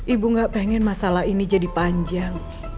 ibu gak pengen masalah ini jadi panjang